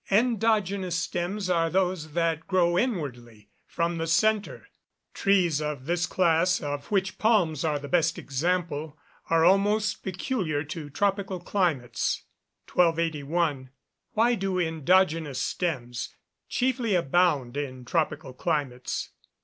_ Endogenous stems are those that grow inwardly, from the centre. Trees of this class, of which palms are the best example, are almost peculiar to tropical climates. 1281. _Why do endogenous stems chiefly abound in tropical climates?